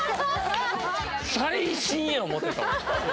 最新や思ってたもん。